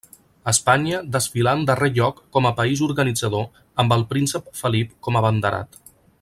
Espanya desfilà en darrer lloc com a país organitzador amb el Príncep Felip com abanderat.